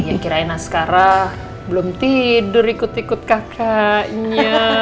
ya kirain askarah belum tidur ikut ikut kakaknya